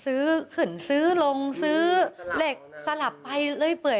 ซื้อขึ้นซื้อลงซื้อเหล็กสลับไปเรื่อย